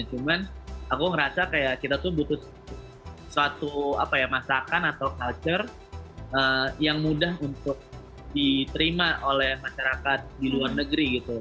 cuman aku ngerasa kayak kita tuh butuh suatu masakan atau culture yang mudah untuk diterima oleh masyarakat di luar negeri gitu